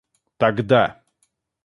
тогда